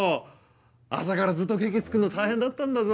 朝からずっとケーキ作るの大変だったんだぞ？